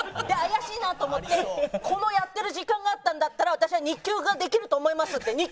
で怪しいなと思ってこのやってる時間があったんだったら「私は日給ができると思います」って。